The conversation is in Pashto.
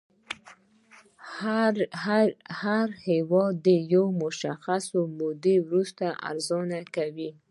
هر هېواد د یوې مشخصې مودې وروسته ارزونه کوي